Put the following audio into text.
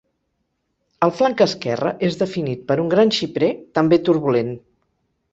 El flanc esquerre és definit per un gran xiprer, també turbulent.